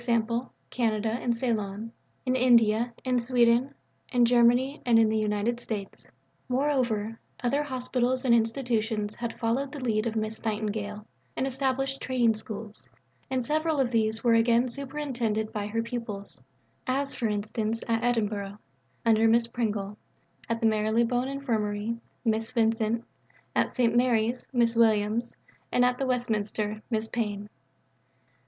_ Canada and Ceylon), in India, in Sweden, in Germany, and in the United States. Moreover, other Hospitals and Institutions had followed the lead of Miss Nightingale and established Training Schools, and several of these were again superintended by her pupils; as, for instance, at Edinburgh (under Miss Pringle), at the Marylebone Infirmary (Miss Vincent), at St. Mary's (Miss Williams), and at the Westminster (Miss Pyne).